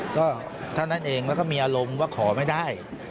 ก็เท่านั้นเองแล้วก็มีอารมณ์ว่าขอไม่ได้